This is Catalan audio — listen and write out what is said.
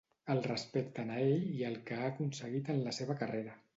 El respecten a ell i el que ha aconseguit en la seva carrera.